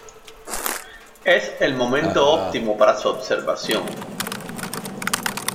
Es el momento óptimo para su observación.